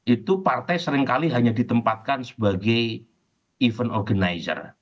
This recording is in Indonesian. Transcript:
itu partai seringkali hanya ditempatkan sebagai event organizer